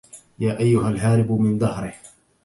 يا أيها الهارب من دهره